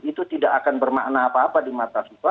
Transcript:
itu tidak akan bermakna apa apa di mata fifa